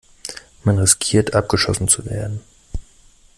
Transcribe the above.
Man riskiert, abgeschossen zu werden.